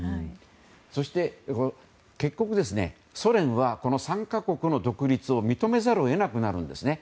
そして、結局ソ連はこの３か国の独立を認めざるを得なくなるんですね。